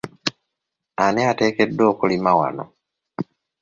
Ani ateekeddwa okulima wano ?